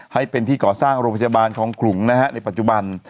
ให้เป็นที่ก่อสร้างโรงพยาบาลคลองขลุงนะฮะในปัจจุบัน